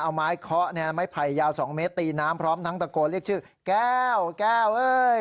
เอาไม้เคาะไม้ไผ่ยาว๒เมตรตีน้ำพร้อมทั้งตะโกนเรียกชื่อแก้วแก้วเอ้ย